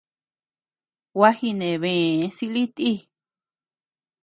Gua jinebe silï ti.